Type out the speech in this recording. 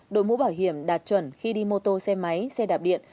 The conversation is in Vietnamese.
đội mũ bảo hiểm đạt chuẩn khi đi mô tô xe máy xe đạp điện